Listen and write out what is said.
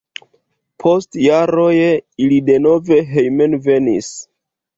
Post jaroj ili denove hejmenvenis.